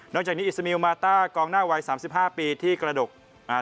จากนี้อิสมิลมาต้ากองหน้าวัยสามสิบห้าปีที่กระดกอ่า